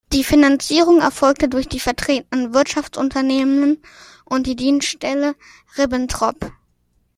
Die Finanzierung erfolgte durch die vertretenden Wirtschaftsunternehmen und die Dienststelle Ribbentrop.